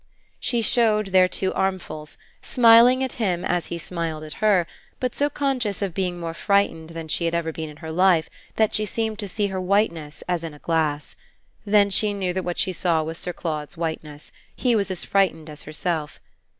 She showed their two armfuls, smiling at him as he smiled at her, but so conscious of being more frightened than she had ever been in her life that she seemed to see her whiteness as in a glass. Then she knew that what she saw was Sir Claude's whiteness: he was as frightened as herself.